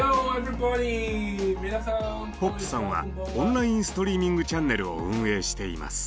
ポップさんはオンラインストリーミングチャンネルを運営しています。